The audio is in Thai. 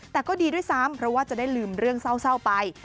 แต่ก็ดีด้วยซ้ำเพราะว่าจะได้ลืมเรื่องเศร้าไป